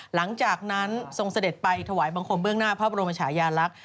หลังจากนั้นทรงเสด็จไปถวายบังคมเบื้องหน้าพระบรมชายาลักษณ์